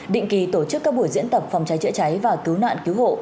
định kỳ tổ chức các buổi diễn tập phòng cháy chữa cháy và cứu nạn cứu hộ